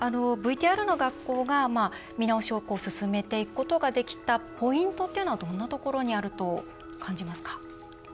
ＶＴＲの学校が見直しを進めていくことができたポイントっていうのはどんなところにあると感じますか。